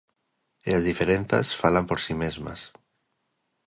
E as diferenzas falan por si mesmas.